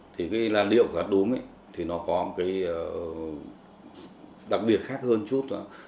thì cái làn điệu của hát đúng thì nó có một cái đặc biệt khác hơn chút